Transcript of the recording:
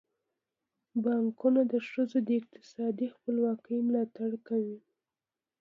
بانکونه د ښځو د اقتصادي خپلواکۍ ملاتړ کوي.